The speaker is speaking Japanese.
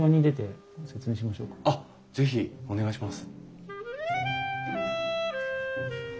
あっ是非お願いします。